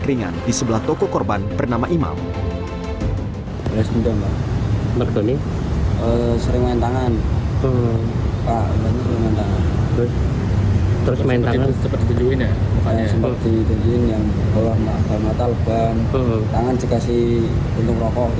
tangan dikasih bentuk rokok gitu